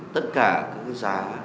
tất cả các xã